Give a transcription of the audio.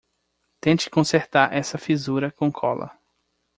Tente consertar essa fissura com cola.